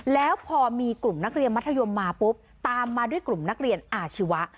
แล้วพอมีกลุ่มนักเรียนมัธยมมาปุ๊บตามมาด้วยกลุ่มนักเรียนอาชีวะ